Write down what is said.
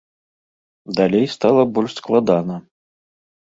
Далей стала больш складана.